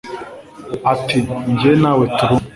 ati jye nawe turi umwe